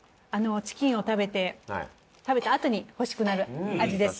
チキンを食べて食べたあとに欲しくなる味です。